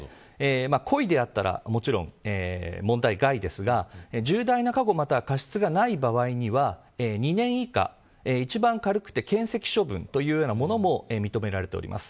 故意であったらもちろん問題外ですが重大な過誤、または過失がない場合は２年以下一番軽くて、けん責処分というものも認められています。